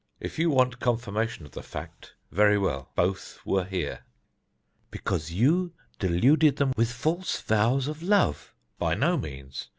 "If you want confirmation of the fact, very well both were here." "Because you deluded them with false vows of love." "By no means.